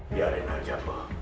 biarin aja bu